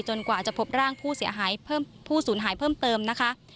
จนกว่าจะพบร่างผู้สูญหายเพิ่มเติมนะคะ